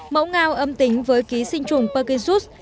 mẫu ngao âm tính với ký sinh trùng perkinsus